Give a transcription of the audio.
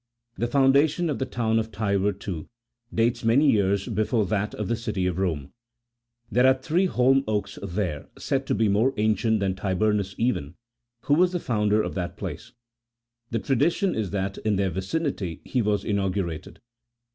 The foundation of the town of Tibur, too, dates many years before that of the City of Rome : there are three holm oaks there, said to be more ancient than Tiburnus even, who was the founder of that place ; the tradition is that in their vicinity he was inau gurated.